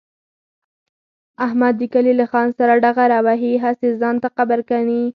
احمد د کلي له خان سره ډغره وهي، هسې ځان ته قبر کني.